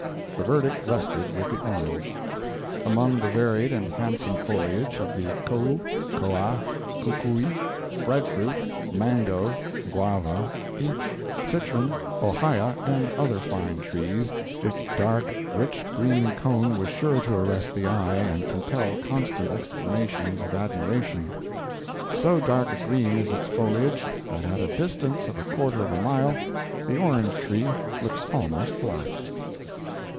The verdict rested with the orange. Among the varied and handsome foliage of the Kou, Koa, Kukui, breadfruit, mango, guava, peach, citron, ohia and other fine trees, its dark, rich green cone was sure to arrest the eye and compel constant exclamations of admiration. So dark a green is its foliage, that at a distance of a quarter of a mile the orange tree looks almost black.